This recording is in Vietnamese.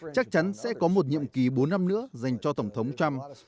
chắc chắn sẽ có một nhiệm kỳ bốn năm nữa dành cho tổng thống trump